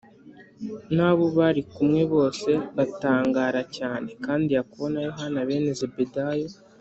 n abo bari kumwe bose batangara cyane kandi Yakobo na Yohana bene Zebedayo